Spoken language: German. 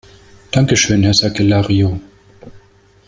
Danke schön, Herr Sakellariou.